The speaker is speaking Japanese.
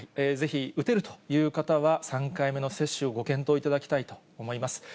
ぜひ打てるという方は、３回目の接種をご検討いただきたいと思います。